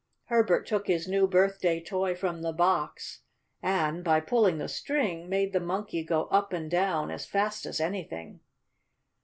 Herbert took his new birthday toy from the box, and, by pulling the string, made the Monkey go up and down as fast as anything.